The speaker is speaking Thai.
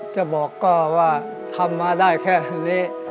จะบอกก็ว่าทำมาได้แค่นี้